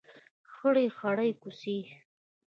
خړې خړۍ کوڅې